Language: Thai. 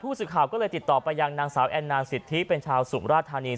สื่อข่าวก็เลยติดต่อไปยังนางสาวแอนนาสิทธิเป็นชาวสุมราชธานี